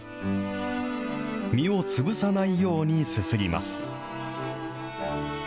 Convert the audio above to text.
身を潰さないようにすすぎます。